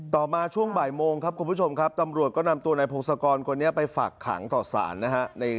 มาช่วงบ่ายโมงครับคุณผู้ชมครับตำรวจก็นำตัวนายพงศกรคนนี้ไปฝากขังต่อสารนะฮะ